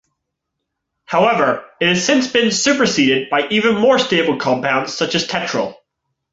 However, it has since been superseded by even more stable compounds such as tetryl.